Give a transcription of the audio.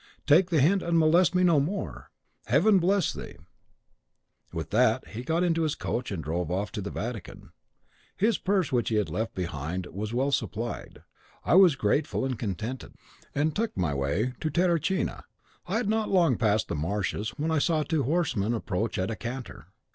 Take the hint and molest me no more. Heaven bless thee!' With that he got into his coach, and drove off to the Vatican. His purse which he had left behind was well supplied. I was grateful and contented, and took my way to Terracina. I had not long passed the marshes when I saw two horsemen approach at a canter.